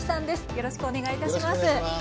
よろしくお願いします。